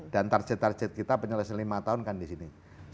target target kita penyelesaian lima tahun kan di sini